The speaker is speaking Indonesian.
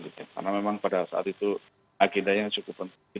karena memang pada saat itu agilanya cukup penting